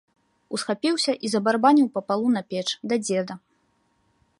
Усхапіўся і забарабаніў па палу на печ, да дзеда.